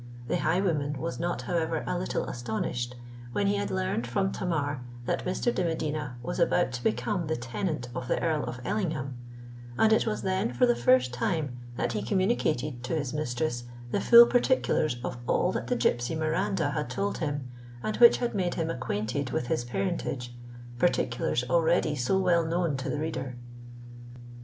The highwayman was not, however, a little astonished when he had learnt from Tamar that Mr. de Medina was about to become the tenant of the Earl of Ellingham; and it was then for the first time that he communicated to his mistress the full particulars of all that the gipsy Miranda had told him, and which had made him acquainted with his parentage,—particulars already so well known to the reader.